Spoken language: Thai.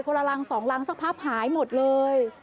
คนละรังสองรังสภาพหายหมดเลย